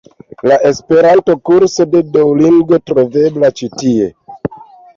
La Esperanto-kurso de Duolingo troveblas ĉi tie.